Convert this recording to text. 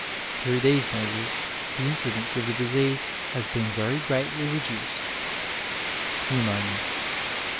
Through these measures the incidence of the disease has been very greatly reduced; Pneumoma.